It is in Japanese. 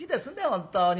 本当に。